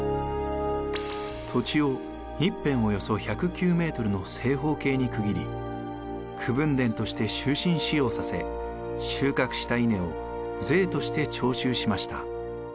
土地を１辺およそ１０９ｍの正方形に区切り口分田として終身使用させ収穫した稲を税として徴収しました。